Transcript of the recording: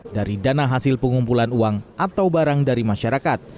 dari dana hasil pengumpulan uang atau barang dari masyarakat